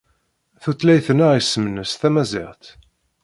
Tutlayt-nneɣ isem-nnes tamaziɣt.